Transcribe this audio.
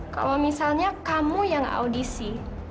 kalau misalnya kamu yang audisi